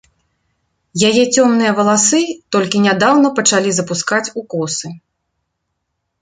Яе цёмныя валасы толькі нядаўна пачалі запускаць у косы.